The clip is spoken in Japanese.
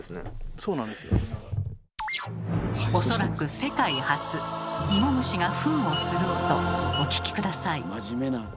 おそらく世界初イモムシがフンをする音お聞き下さい。